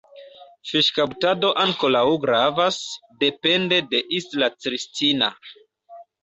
Fiŝkaptado ankoraŭ gravas, depende de Isla Cristina.